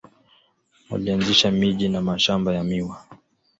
Walianzisha miji na mashamba ya miwa.